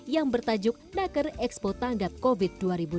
yang bertajuk naker expo tanggap covid dua ribu dua puluh